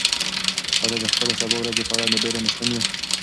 ایا ته د خپلې سبا ورځې په اړه ډېر اندېښمن یې؟